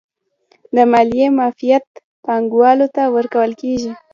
د مالیې معافیت پانګوالو ته ورکول کیږي